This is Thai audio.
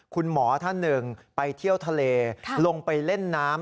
คุณหมอท่านหนึ่งไปเที่ยวทะเลลงไปเล่นน้ำ